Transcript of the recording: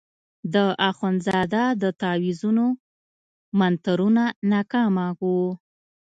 د اخندزاده د تاویزونو منترونه ناکامه وو.